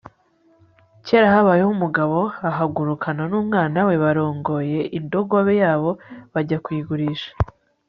kera habayeho umugabo ahagurukana n'umwana we barongoye indogobe yabo bajya kuyigurisha